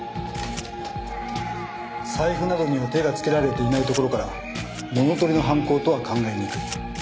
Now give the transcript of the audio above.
財布などには手がつけられていないところから物盗りの犯行とは考えにくい。